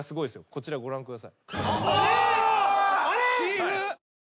こちらご覧ください。